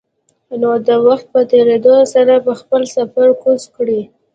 نو د وخت په تېرېدو سره به خپل سپر کوز کړي.